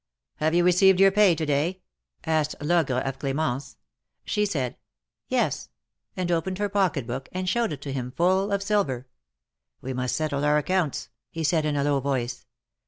'^Have you received your pay to day?'^ asked Logre of Cl^mence. She said ^^Yes," and opened her pocket book, and showed it to him, full of silver. We must settle our accounts," he said, in a low voice.